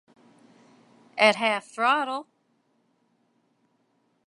At half throttle.